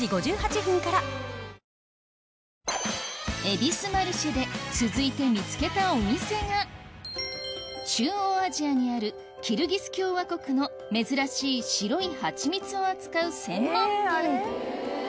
恵比寿マルシェで続いて見つけたお店が中央アジアにあるキルギス共和国の珍しい白いハチミツを扱う専門店